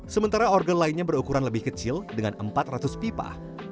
sementara organ lainnya berukuran lebih kecil dengan empat ratus pipa